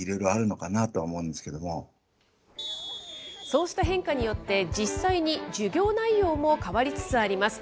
そうした変化によって、実際に授業内容も変わりつつあります。